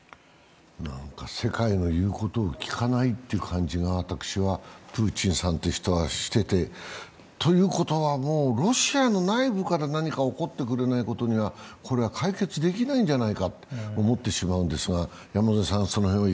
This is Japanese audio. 世界の言うことを聞かないという感じが、プーチンさんという人はしててということはロシアの内部から何か起こってくれないことには解決できないんじゃないかと思ってしまうんですが。